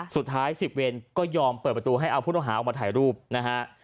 สุดท้าย๑๐เวรก็ยอมเปิดประตูให้เอาผู้ต้องหาออกมาถ่ายรูปนะฮะ